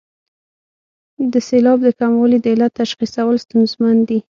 د سېلاب د کموالي د علت تشخیصول ستونزمن دي.